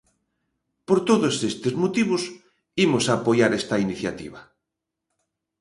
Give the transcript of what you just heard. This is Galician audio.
Por todos estes motivos, imos apoiar esta iniciativa.